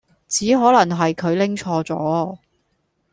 只可能係佢拎錯咗